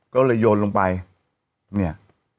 ก็เลยโยนลงไปเนี่ย